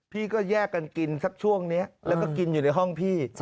พี่ก็แยกกันกินสักช่วงนี้แล้วก็กินอยู่ในห้องพี่